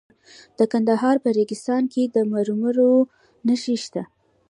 د کندهار په ریګستان کې د مرمرو نښې شته.